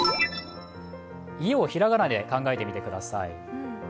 家を平仮名で考えてみてください。